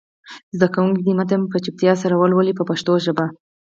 زده کوونکي دې متن په چوپتیا سره ولولي په پښتو ژبه.